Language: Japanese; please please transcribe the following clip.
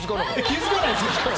気付かないんですか